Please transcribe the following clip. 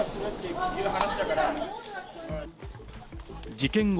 事件後